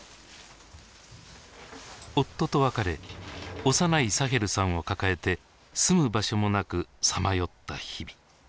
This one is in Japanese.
夫と別れ幼いサヘルさんを抱えて住む場所もなくさまよった日々。